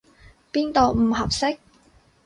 邊度唔合適？